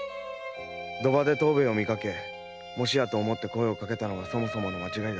賭場で藤兵衛を見かけもしやと思って声をかけたのがそもそもの間違いだった」